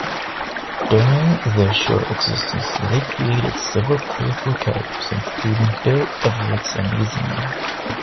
During their short existence, they created several colorful characters, including Bill Everett's Amazing-Man.